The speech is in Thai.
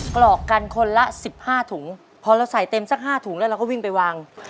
กรอกกันคนละสิบห้าถุงพอเราใส่เต็มสักห้าถุงแล้วเราก็วิ่งไปวาง